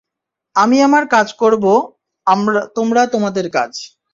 আমি আমার কাজ করবো, তোমরা তোমাদের কাজ।